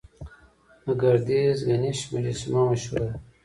د ګردیز ګنیش مجسمه مشهوره ده